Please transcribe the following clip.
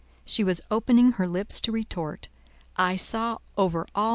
She was opening her lips to retort; I saw over all M.